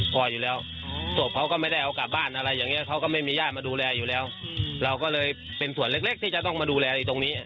เขาก็ไม่มีญาติมาดูแลอยู่แล้วเราก็เลยเป็นส่วนเล็กที่จะต้องมาดูแลตรงนี้